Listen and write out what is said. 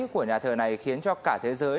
của nhà thờ này khiến cho cả thế giới